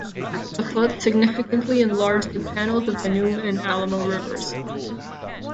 The flood significantly enlarged the channels of the New and Alamo Rivers.